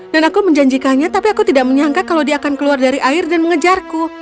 dan aku menjanjikannya tapi aku tidak menyangka kalau dia akan keluar dari air dan mengejarku